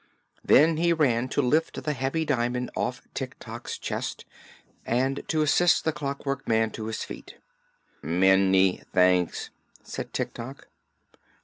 Then he ran to lift the heavy diamond off Tik Tok's chest and to assist the Clockwork Man to his feet. "Ma ny thanks!" said Tik Tok.